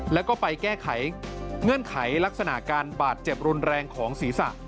แล้วก็ไปแก้ไขเงื่อนไขลักษณะการบาดเจ็บรุนแรงของศีรษะ